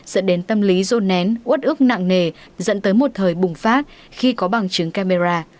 dẫn đến tâm lý rôn nén út ước nặng nề dẫn tới một thời bùng phát khi có bằng chứng camera